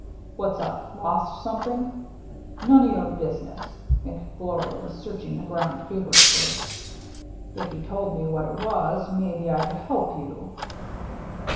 " What's up ? Lost something ?" "None of your business!" McGlory was searching the ground feverishly. " If you told me what it was, maybe I could help you."